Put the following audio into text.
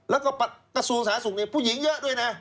แล้วก็กระทรวงสหสุขนี้ผู้หญิงเยอะด้วยนะ